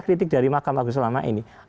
kritik dari mahkamah agung selama ini